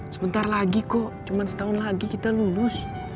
sebentar lagi kok cuma setahun lagi kita lulus